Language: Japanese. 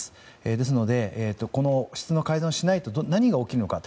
ですので、質の改善をしないと何が起きるのか。